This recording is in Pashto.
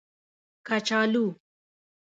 🥔 کچالو